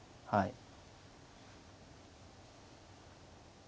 はい。